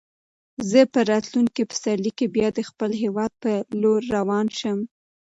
زه به په راتلونکي پسرلي کې بیا د خپل هیواد په لور روان شم.